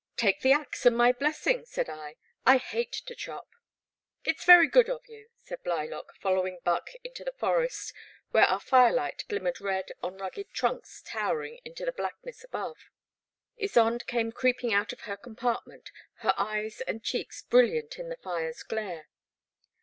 ''Take the axe and my blessing," said I, "I hate to chop." " It 's very good of you," said Blylock, follow 176 The Black Water. 1 77 ing Buck into the forest where our firelight glim mered red on rugged trunks towering into the blackness above. Ysonde came creeping out of her compartment, her eyes and cheeks brilliant in the fire's glare.